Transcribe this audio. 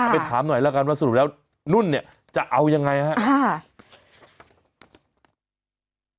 ไปถามหน่อยแล้วกันว่าสรุปแล้วนุ่นเนี่ยจะเอายังไงครับ